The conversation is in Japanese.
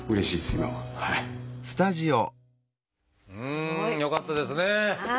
すごい。よかったですね。